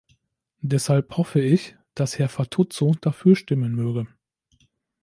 Deshalb hoffe ich, dass Herr Fatuzzo dafür stimmen möge.